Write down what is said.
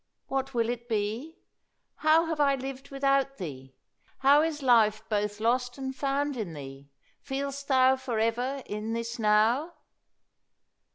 What will it be? How have I lived without thee? How Is life both lost and found in thee? Feel'st thou For ever in this Now?"